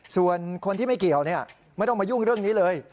ส่วนคนที่ไม่เกี่ยวไม่ต้องมายุ่งเรื่องนี้เลย